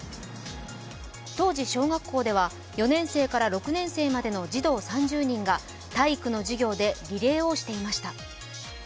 当時、小学校では４年生から６年生までの児童３０人が体育の授業でリレーをしていました。